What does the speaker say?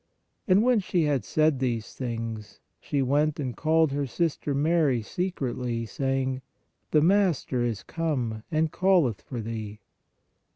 And when she had said these things, she went and called her sister Mary secretly, saying: The Master is come and calleth for thee.